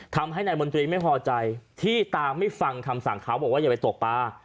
ทำให้นายมนตรีไม่พอใจที่ตาไม่ฟังคำสั่งเขาบอกว่าอย่าไปตกปลา